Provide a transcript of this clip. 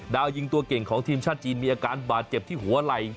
ยิงตัวเก่งของทีมชาติจีนมีอาการบาดเจ็บที่หัวไหล่